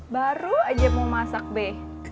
baru aja mau masak be